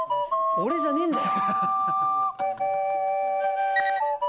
俺じゃねえんだよ。